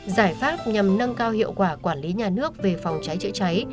giải pháp nhằm nâng cao hiệu quả quản lý nhà nước về phòng cháy chữa cháy